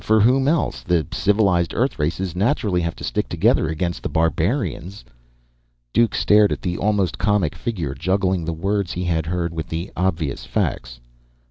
For whom else? The civilized Earth races naturally have to stick together against the barbarians." Duke stared at the almost comic figure, juggling the words he had heard with the obvious facts.